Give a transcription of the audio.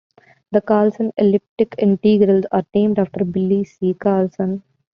The Carlson elliptic integrals are named after Bille C. Carlson.